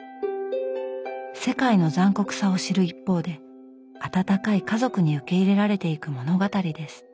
世界の残酷さを知る一方で温かい家族に受け入れられていく物語です。